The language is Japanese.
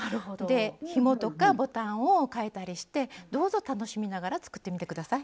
でひもとかボタンをかえたりしてどうぞ楽しみながら作ってみて下さい。